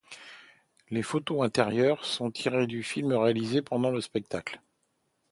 Les photos intérieures sont tirées du film réalisé pendant le spectacle.